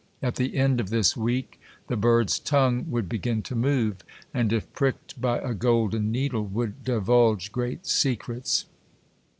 At the end of this week, the bird's tongue would begin to move, and if pricked by a golden needle, would divulge great secrets.